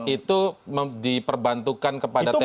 itu diperbantukan kepada tni